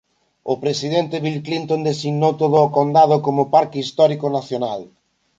O presidente Bill Clinton designou todo o condado como Parque Histórico Nacional.